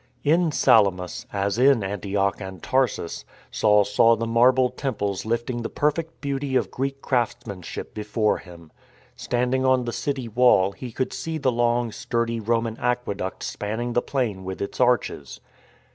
In Salamis (as in Antioch and Tarsus) Saul saw the marble temples lifting the perfect beauty of Greek craftsmanship bfore him. Standing on the city wall he could see the long, sturdy Roman aqueduct spanning the plain with its arches.